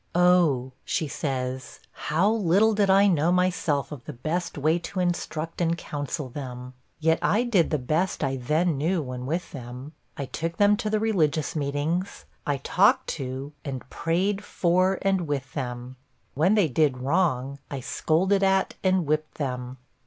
'Oh,' she says, 'how little did I know myself of the best way to instruct and counsel them! Yet I did the best I then knew, when with them. I took them to the religious meetings; I talked to, and prayed for and with them; when they did wrong, I scolded at and whipped them.'